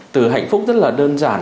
từ hạnh phúc rất là đơn giản